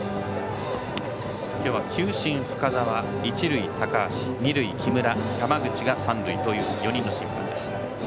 今日は球審、深沢一塁、高橋二塁、木村、山口が三塁という４人の審判です。